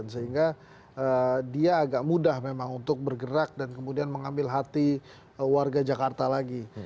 sehingga dia agak mudah memang untuk bergerak dan kemudian mengambil hati warga jakarta lagi